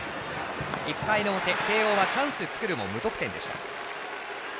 １回の表、慶応はチャンス作るも無得点でした。